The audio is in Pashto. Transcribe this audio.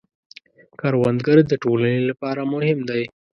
کروندګر د ټولنې لپاره مهم دی